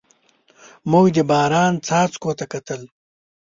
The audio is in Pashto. موږ د باران څاڅکو ته کتل.